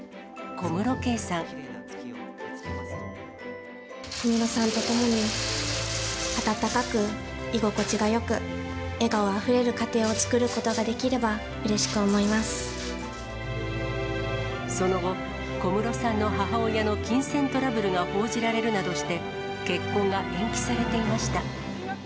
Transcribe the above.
小室さんと共に、温かく、居心地がよく、笑顔あふれる家庭を作ることができればうれしく思その後、小室さんの母親の金銭トラブルが報じられるなどして、結婚が延期されていました。